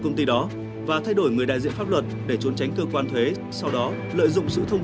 công ty đó và thay đổi người đại diện pháp luật để trốn tránh cơ quan thuế sau đó lợi dụng sự thông